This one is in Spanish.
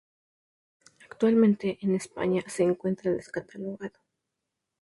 Actualmente en España se encuentra descatalogado.